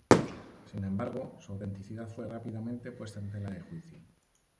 Sin embargo, su autenticidad fue rápidamente puesta en tela de juicio.